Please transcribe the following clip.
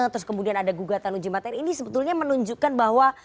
terus kemudian ada gugatan uji materi ini sebetulnya menunjukkan bahwa